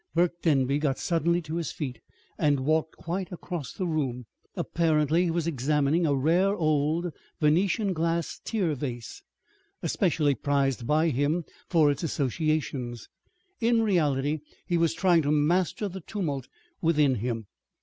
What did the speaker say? Burke Denby got suddenly to his feet and walked quite across the room. Apparently he was examining a rare old Venetian glass Tear Vase, especially prized by him for its associations. In reality he was trying to master the tumult within him.